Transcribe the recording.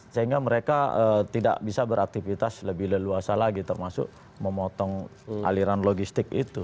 sehingga mereka tidak bisa beraktivitas lebih leluasa lagi termasuk memotong aliran logistik itu